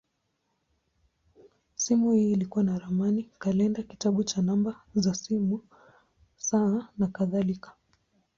Simu hii ilikuwa na ramani, kalenda, kitabu cha namba za simu, saa, nakadhalika.